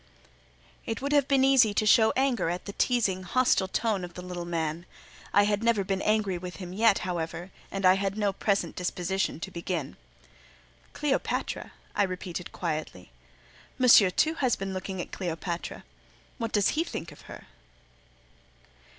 It would have been easy to show anger at the teasing, hostile tone of the little man. I had never been angry with him yet, however, and had no present disposition to begin. "Cleopatra!" I repeated, quietly. "Monsieur, too, has been looking at Cleopatra; what does he think of her?"